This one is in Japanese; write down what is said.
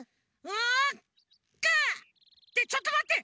んグ！ってちょっとまって！